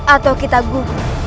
atau kita guna